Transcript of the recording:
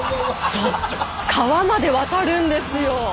そう川まで渡るんですよ。